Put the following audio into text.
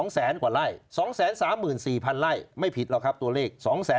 แสนกว่าไร่๒๓๔๐๐ไร่ไม่ผิดหรอกครับตัวเลข